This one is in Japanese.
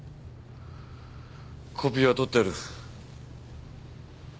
コピーは取ってある。